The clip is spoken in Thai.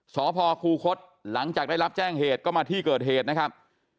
สพคูคศหลังจากได้รับแจ้งเหตุก็มาที่เกิดเหตุนะครับ